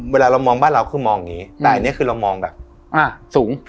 เวลาเรามองบ้านเราคือมองอย่างนี้แต่อันนี้คือเรามองแบบสูง